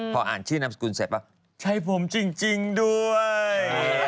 พออ่านชื่อนามสกุลเสร็จป่ะใช่ผมจริงด้วย